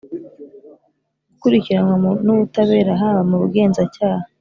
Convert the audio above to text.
gukurikiranwa nubutabera haba mu Bugenzacyaha